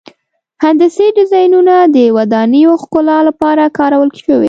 هندسي ډیزاینونه د ودانیو ښکلا لپاره کارول شوي.